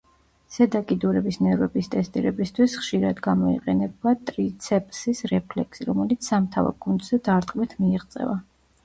ზედა კიდურების ნერვების ტესტირებისთვის ხშირად გამოიყენება ტრიცეპსის რეფლექსი, რომელიც სამთავა კუნთზე დარტყმით მიიღწევა.